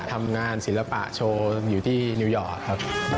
ทำงานศิลปะโชว์อยู่ที่นิวยอร์กครับ